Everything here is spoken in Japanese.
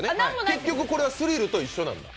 結局これはスリルと同じなの。